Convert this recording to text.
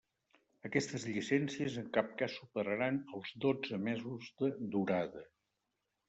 Aquestes llicències en cap cas superaran els dotze mesos de durada.